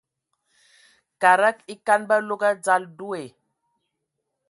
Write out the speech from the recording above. Kada ekan ba log adzal deo.